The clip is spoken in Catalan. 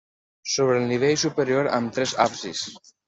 Sobre el nivell superior amb tres absis.